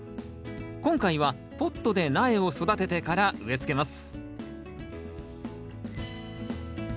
今回はポットで苗を育ててから植え付けます